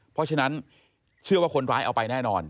เพราะฉะนั้นเชื่อว่าคนร้ายเอาไปแน่นอน